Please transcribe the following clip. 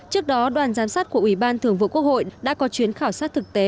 trước đó đoàn giám sát của ủy ban thường vụ quốc hội đã có chuyến khảo sát thực tế